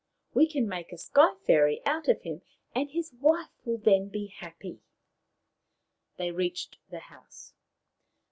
We can make a Sky fairy of him, and his wife will then be happy." They reached the house.